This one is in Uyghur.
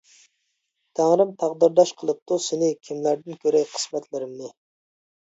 تەڭرىم تەقدىرداش قىلىپتۇ سېنى، كىملەردىن كۆرەي قىسمەتلىرىمنى؟ !